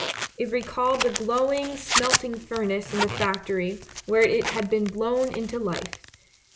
It recalled the glowing smelting furnace in the factory, where it had been blown into life.